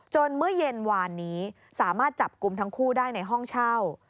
เมื่อเย็นวานนี้สามารถจับกลุ่มทั้งคู่ได้ในห้องเช่า